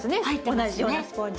同じようなスポンジが。